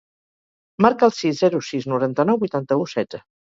Marca el sis, zero, sis, noranta-nou, vuitanta-u, setze.